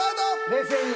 冷静に。